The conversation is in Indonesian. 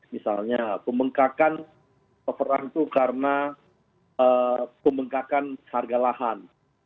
misalnya pemengkakan peperang itu karena pemengkakan harga lahan